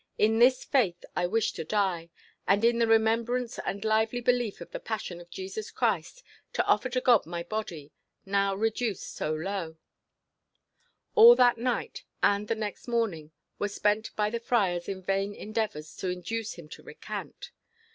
In this faith I wish to die, and in the remembrance and lively belief of the passion of Jesus Christ, to offer to God my body, now reduced so low.'" All that night and the next morning were spent by the friars in vain endeavours to induce him to recant.